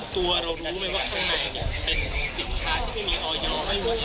ตัวเรานั้นรู้ไหมว่าข้างในเป็นสินค้าที่ไม่มีออย